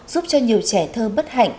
giúp cho nhiều trẻ thơ bất hạnh